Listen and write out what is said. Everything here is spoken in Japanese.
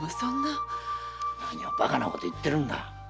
何をバカなこと言ってるんだ。